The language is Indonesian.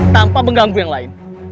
tanpa mengganggu yang lain